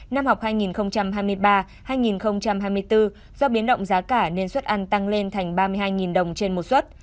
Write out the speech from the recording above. năm học hai nghìn hai mươi ba hai nghìn hai mươi bốn do biến động giá cả nên suất ăn tăng lên thành ba mươi hai đồng trên một suất